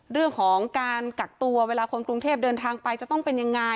เรื่องของการกักตัวเวลาคนกรุงเทพเดินทางไปจะต้องเป็นยังไง